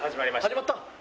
始まったの？